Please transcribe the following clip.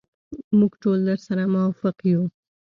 موږ ټول درسره موافق یو.